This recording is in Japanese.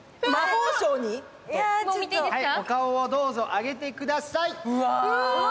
お顔をどうぞ、上げてください。